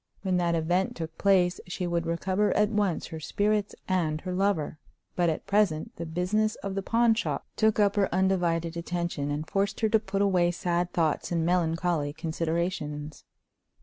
When that event took place she would recover at once her spirits and her lover; but at present the business of the pawn shop took up her undivided attention, and forced her to put away sad thoughts and melancholy considerations.